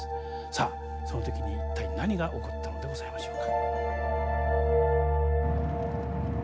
さあその時に一体何が起こったのでございましょうか。